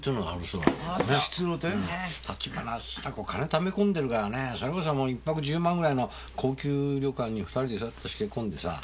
ため込んでるからねそれこそもう一泊１０万ぐらいの高級旅館に２人でずっとしけこんでさ。